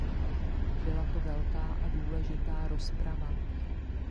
Byla to velká a důležitá rozprava.